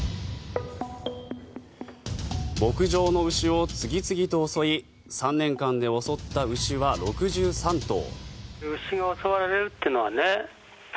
牧場の牛を次々と襲い３年間で襲った牛は６３頭。